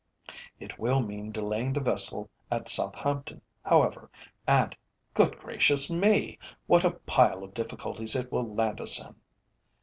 It will mean delaying the vessel at Southampton, however, and good gracious me! what a pile of difficulties it will land us in!